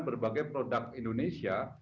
berbagai produk indonesia